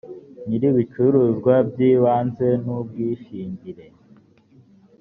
nyir ibicuruzwa by ibanze n ubwishingire